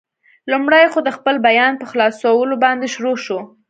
لومړی خو، د خپل بیان په خلاصولو باندې شروع شو.